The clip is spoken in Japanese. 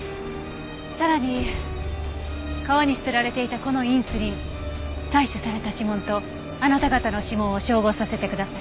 さらに川に捨てられていたこのインスリン採取された指紋とあなた方の指紋を照合させてください。